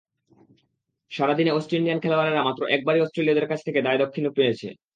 সারা দিনে West Indian খেলোয়াড়েরা মাত্র একবারই অস্ট্রেলীয়দের কাছ থেকে দয়াদাক্ষিণ্য পেয়েছে।